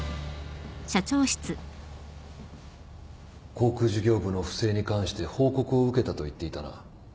航空事業部の不正に関して報告を受けたと言っていたな。